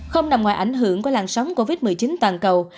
không nằm ngoài ảnh hưởng của làn sóng covid một mươi chín toàn cầu